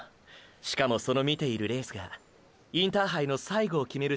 しかもその観ているレースがインターハイの最後を決める